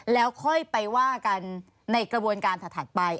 แล้วค่อยไปว่ากันในกระบวนการถัดไป